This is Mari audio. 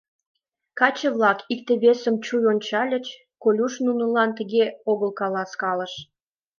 Каче-влак икте-весым чуй ончальыч: Колюш нунылан тыге огыл каласкалыш.